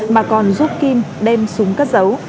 mà còn giúp kim đem súng cất giấu